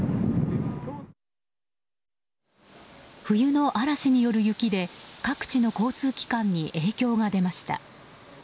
冬の嵐による雪で各地の交通機関に影響が出ました。